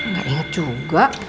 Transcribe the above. nggak inget juga